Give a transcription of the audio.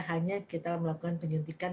hanya kita melakukan penyuntikan